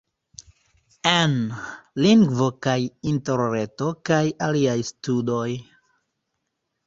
En: Lingvo kaj Interreto kaj aliaj studoj.